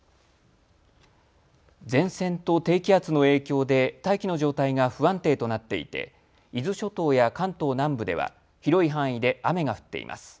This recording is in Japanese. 前線と低気圧の影響で大気の状態が不安定となっていて伊豆諸島や関東南部では広い範囲で雨が降っています。